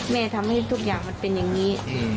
ทำให้ทุกอย่างมันเป็นอย่างนี้